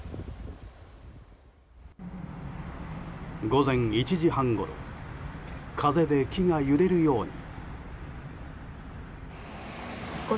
午前１時半ごろ風で木が揺れるように。